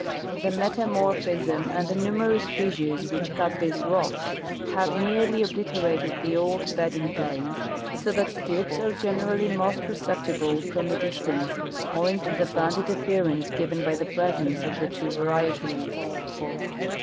The metamorphism and the numerous fissures which cut these rocks have nearly obliterated the old bedding planes, so that dips are generally most perceptible from a dis tance, owing to the banded appearance given by the presence of the two varieties.